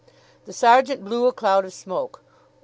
The sergeant blew a cloud of smoke.